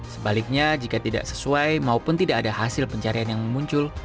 sebaliknya jika tidak sesuai maupun tidak ada hasil pencarian yang muncul